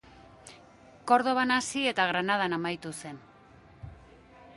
Kordoban hasi eta Granadan amaitu zen.